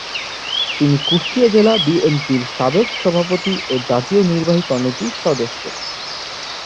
তিনি কুষ্টিয়া জেলা বিএনপির সাবেক সভাপতি ও জাতীয় নির্বাহী কমিটির সদস্য।